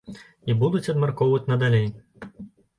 І будуць абмяркоўваць надалей.